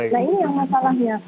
nah ini yang masalahnya